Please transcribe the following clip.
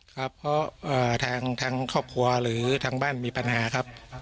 ครับเพราะทางครอบครัวหรือทางบ้านมีปัญหาครับ